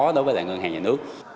đối với ngân hàng nhà nước